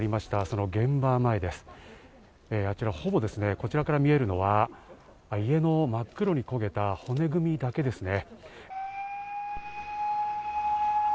こちらから見えるのは家の真っ黒に焦げた骨組みだけですね。